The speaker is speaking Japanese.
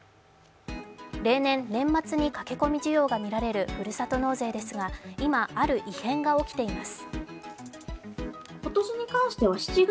例年年末に駆け込み需要がみられるふるさと納税ですが、今、ある異変が起きています。